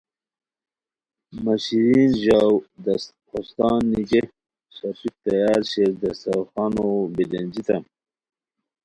مہ شیرین ژاؤ! ہوستان نیگے ݰاپیک تیار شیر, دسترخوانو بیلینجیمان